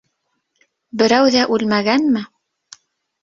Берәү ҙә үлмәгәнме?